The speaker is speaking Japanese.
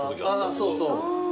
あそうそう。